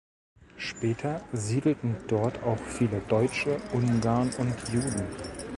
Später siedelten dort auch viele Deutsche, Ungarn und Juden.